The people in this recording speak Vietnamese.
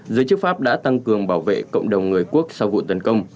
giới chức pháp đã tăng cường bảo vệ cộng đồng người quốc sau vụ tấn công